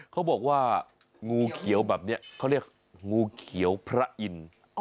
เขาบอกว่างูเขียวแบบนี้เขาเรียกงูเขียวพระอินทร์